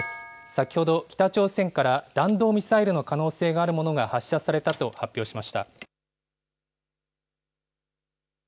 先ほど北朝鮮から、弾道ミサイルの可能性があるものが発射されたと発表しました。